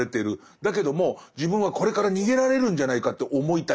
だけども自分はこれから逃げられるんじゃないかって思いたい。